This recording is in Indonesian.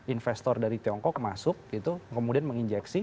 investor dari tiongkok masuk itu kemudian menginjeksi